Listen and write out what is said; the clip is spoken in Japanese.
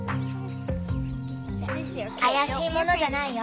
怪しいものじゃないよ